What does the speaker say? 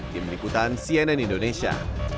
tim nikutan cnn indonesia